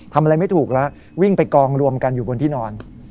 ทำอะไรไม่ถูกแล้ววิ่งไปกองรวมกันอยู่บนที่นอน